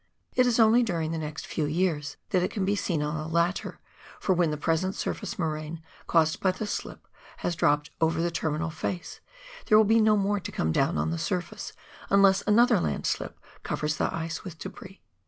It is only during the next few years that it can be seen on the latter, for when the present surface moraine caused b}^ the slip has dropped over the terminal face, there will be no more to come down on the surface, unless another landslip covers the ice with debris.